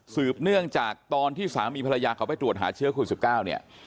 เนื่องจากตอนที่สามีภรรยาเขาไปตรวจหาเชื้อโควิด๑๙เนี่ย